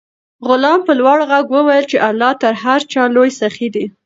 غلام په لوړ غږ وویل چې الله تر هر چا لوی سخي دی.